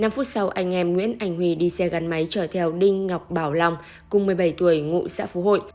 năm phút sau anh em nguyễn anh huy đi xe gắn máy chở theo đinh ngọc bảo long cùng một mươi bảy tuổi ngụ xã phú hội